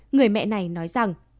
người mẹ này nói rằng